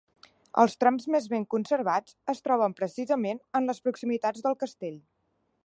Els trams més ben conservats es troben precisament en les proximitats del castell.